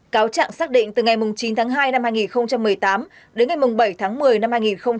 cáo trạng xác định từ ngày chín tháng hai năm hai nghìn một mươi tám đến ngày bảy tháng một mươi năm hai nghìn một mươi chín